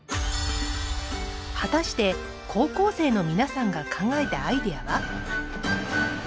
果たして、高校生の皆さんが考えたアイデアは？